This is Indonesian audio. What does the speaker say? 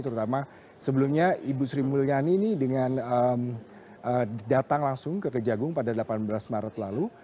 terutama sebelumnya ibu sri mulyani ini dengan datang langsung ke kejagung pada delapan belas maret lalu